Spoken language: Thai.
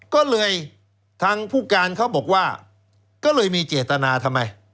ก็เลยทางผู้การเขาบอกว่าก็เลยมีเจตนาทำไม